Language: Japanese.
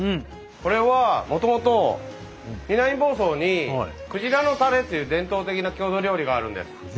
これはもともと南房総に「くじらのたれ」っていう伝統的な郷土料理があるんです。